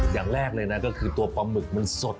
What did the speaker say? อย่างแรกเลยนะก็คือตัวปลาหมึกมันสด